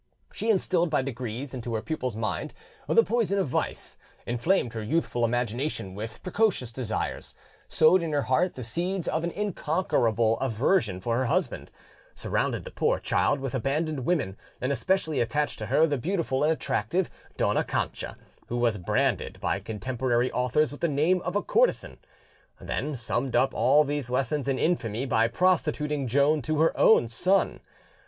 She instilled by degrees into her pupil's mind the poison of vice, inflamed her youthful imagination with precocious desires, sowed in her heart the seeds of an unconquerable aversion for her husband, surrounded the poor child with abandoned women, and especially attached to her the beautiful and attractive Dona Cancha, who is branded by contemporary authors with the name of a courtesan; then summed up all these lessons in infamy by prostituting Joan to her own son.